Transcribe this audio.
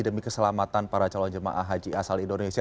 demi keselamatan para calon jemaah haji asal indonesia